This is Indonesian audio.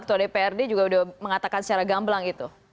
ketua dprd juga sudah mengatakan secara gamblang itu